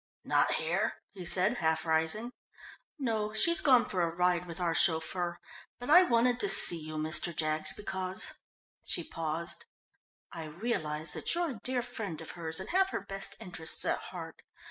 "Not here?" he said, half rising. "No, she's gone for a ride with our chauffeur. But I wanted to see you, Mr. Jaggs, because " she paused. "I realise that you're a dear friend of hers and have her best interests at heart.